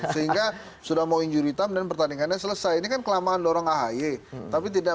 sehingga sudah mau injury time dan pertandingannya selesai ini kan kelamaan dorong ahy tapi tidak